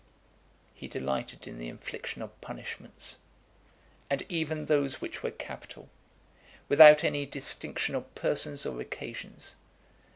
XIV. He delighted in the infliction of punishments, and even those which were capital, without any distinction of persons or occasions.